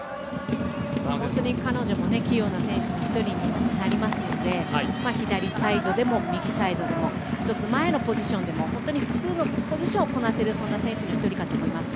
彼女も器用な選手の１人になりますので左サイドでも右サイドでも１つ前のポジションでも複数のポジションをこなせるそんな選手の１人かと思います。